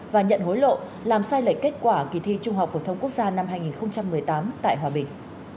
và nhận hối lộ làm sai lệch kết quả kỳ thi trung học phổ thông quốc gia năm hai nghìn một mươi tám tại hòa bình